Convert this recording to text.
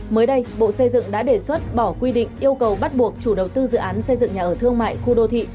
mới đây bộ xây dựng đã đề xuất bỏ quy định yêu cầu bắt buộc chủ đầu tư dự án xây dựng nhà ở thương mại khu đô thị